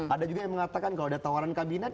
ada juga yang mengatakan kalau ada tawaran kabinet